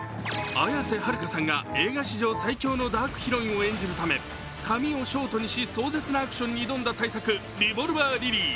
綾瀬はるかさんが映画史上最強のダークヒロインを演じるため髪をショートにし壮絶なアクションに挑んだ大作、「リボルバー・リリー」。